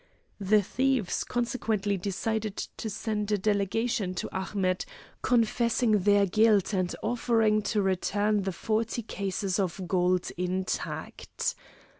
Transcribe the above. The thieves consequently decided to send a delegation to Ahmet, confessing their guilt and offering to return the forty cases of gold intact.